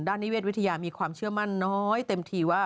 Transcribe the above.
นิเวศวิทยามีความเชื่อมั่นน้อยเต็มทีว่า